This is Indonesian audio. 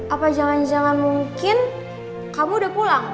apa jangan jangan mungkin kamu udah pulang